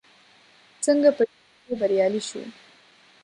څنګه په ژوند کې بريالي شو ؟